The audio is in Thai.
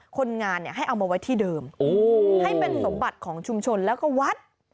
คนงานให้เอามาไว้ที่เดิมให้เป็นสมบัติของชุมชนแล้วก็วัด